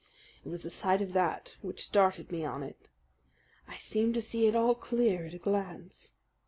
"It was the sight of that which started me on it. I seemed to see it all clear at a glance.